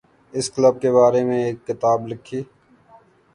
اس club کے بارے میں ایک کتاب لکھی